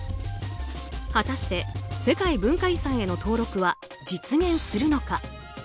果たして、世界文化遺産への登録は実現するのか。